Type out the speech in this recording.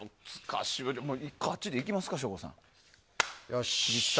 ガチでいきますか、省吾さん。